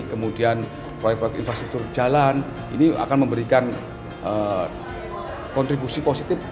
kemudian proyek proyek infrastruktur jalan ini akan memberikan kontribusi positif